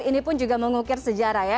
ini pun juga mengukir sejarah ya